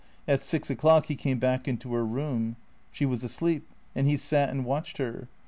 At six o'clock he came back into her room.. She was asleep, and he sat and watched her.